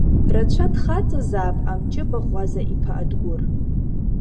Рацәа дхаҵазаап Амҷы Баӷәаза иԥа Адгәыр.